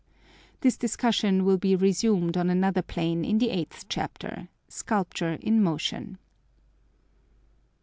This discussion will be resumed on another plane in the eighth chapter: Sculpture in Motion.